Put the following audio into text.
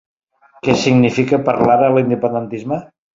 Què significa per Lara l'independentisme?